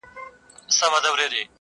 یوه د وصل شپه وي په قسمت را رسېدلې!